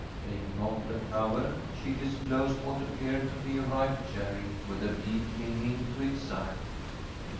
Taking off the cover, she disclosed what appeared to be a ripe cherry with a bee clinging to its side.